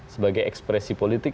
sebagai ekspresi politik